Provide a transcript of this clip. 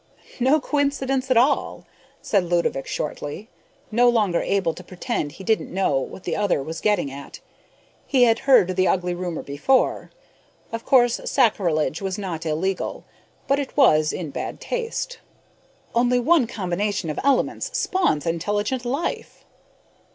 "No coincidence at all," said Ludovick shortly, no longer able to pretend he didn't know what the other was getting at. He had heard the ugly rumor before. Of course sacrilege was not illegal, but it was in bad taste. "Only one combination of elements spawns intelligent life."